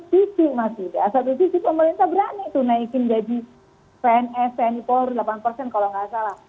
satu sisi masih satu sisi pemerintah berani tuh naikin jadi pns pni polri delapan persen kalau tidak salah